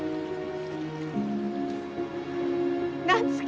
夏樹！